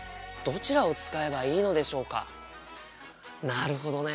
なるほどね。